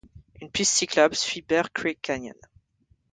Une piste cyclable suit Bear Creek Canyon.